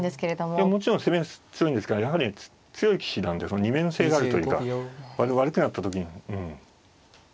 いやもちろん攻め強いんですがやはり強い棋士なので二面性があるというか悪くなった時うん。